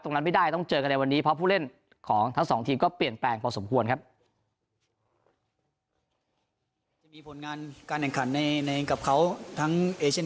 ตรงนั้นไม่ได้ต้องเจอกันในวันนี้เพราะผู้เล่นของทั้ง